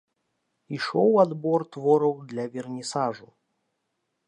Ішоў адбор твораў для вернісажу.